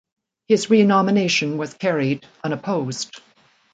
His renomination was carried unopposed.